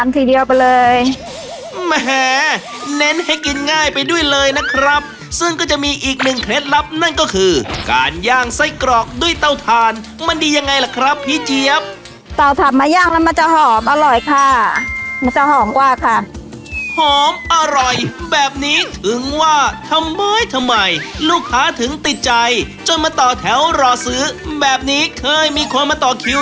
ติดใจจนมาต่อแถวรอสือแบบนี้เคยมีคนมาต่อคิว